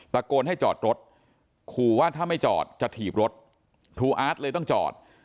ตะโกนให้จอดรถขู่ว่าถ้าไม่จอดจะถีบรถครูอาร์ตเลยต้องจอด